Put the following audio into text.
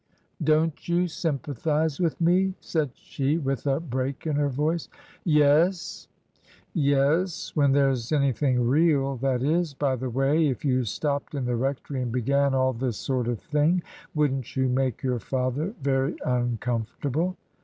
"Don't you sympathize with me?" said she, with a break in her voice. " Yes — ^yes. When there's anything real, that is. By the way, if you stopped in the rectory and began all this sort of thing — wouldn't you make your father very uncomfortable